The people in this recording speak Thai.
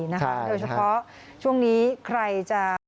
โดยเฉพาะช่วงนี้ใครจะ